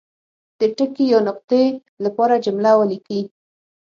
د ټکي یا نقطې لپاره جمله ولیکي.